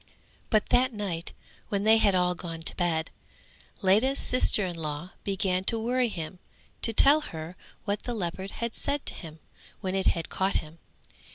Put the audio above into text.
But that night when they had all gone to bed, Ledha's sister in law began to worry him to tell her what the leopard had said to him, when it had caught him.